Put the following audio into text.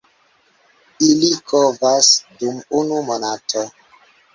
Ili kovas dum unu monato.